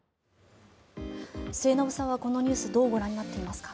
末延さんは、このニュースどうご覧になっていますか？